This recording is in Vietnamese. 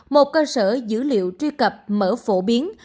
một cơ sở dữ liệu truy cập mở phổ biến